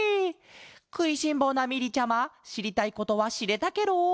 くいしんぼうなみりちゃましりたいことはしれたケロ？